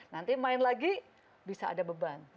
nanti main lagi bisa ada beban